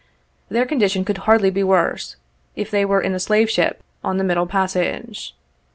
Their condition could hardly be worse, if they were in a slave ship, on the middle passage.